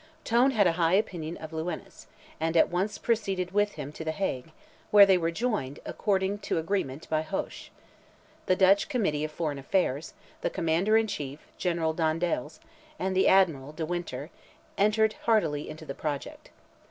Tone had a high opinion of Lewines, and at once proceeded with him to the Hague, where they were joined, according to agreement, by Hoche. The Dutch Committee of Foreign Affairs, the Commander in Chief, General Dandaels, and the Admiral, De Winter, entered heartily into the project.